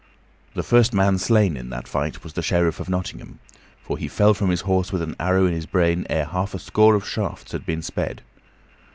The first man slain in that fight was the Sheriff of Nottingham, for he fell from his horse with an arrow in his brain ere half a score of shafts had been sped.